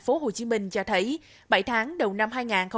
và số liệu của sở du lịch tp hcm cho thấy bảy tháng đầu năm hai nghìn hai mươi ba